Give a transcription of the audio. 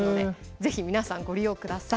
是非皆さんご利用ください。